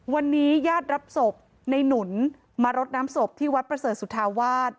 วันนี้ญาติรับศพในหนุนมารดน้ำศพที่วัดประเสริฐสุธาวาส